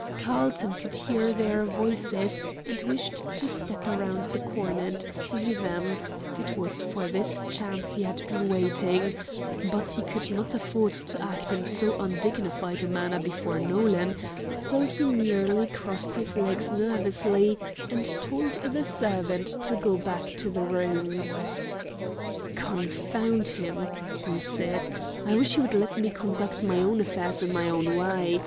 Carlton could hear their voices, and wished to step around the corner and see them; it was for this chance he had been waiting; but he could not afford to act in so undignified a manner before Nolan, so he merely crossed his legs nervously, and told the servant to go back to the rooms. "Confound him!" he said; "I wish he would let me conduct my own affairs in my own way.